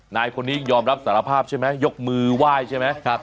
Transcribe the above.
นายคนนี้ยอมรับสารภาพใช่ไหมยกมือไหว้ใช่ไหม